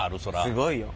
すごいよ。